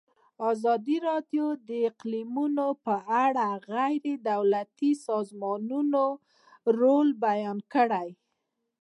ازادي راډیو د اقلیتونه په اړه د غیر دولتي سازمانونو رول بیان کړی.